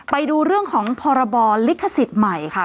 ไปดูเรื่องของพรบลิขสิทธิ์ใหม่ค่ะ